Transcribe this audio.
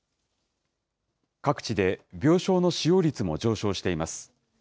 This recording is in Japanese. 各地で病床の使用率も上昇しています。